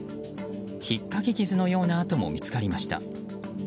ひっかき傷のような跡も見つかりました。